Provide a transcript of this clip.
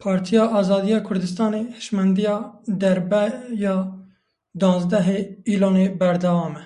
Partiya Azadiya Kurdistanê, hişmendiya darbeya duwazdehê îlona berdewam e.